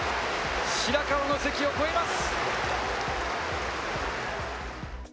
白河の関を越えます。